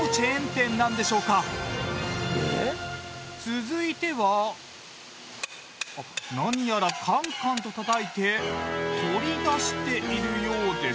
続いては何やらカンカンとたたいて取り出しているようです。